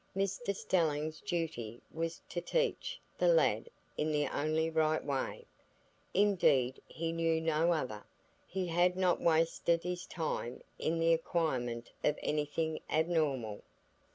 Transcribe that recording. Mr Stelling's duty was to teach the lad in the only right way,—indeed he knew no other; he had not wasted his time in the acquirement of anything abnormal.